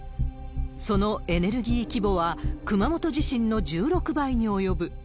そのエネルギー規模は、熊本地震の１６倍に及ぶ。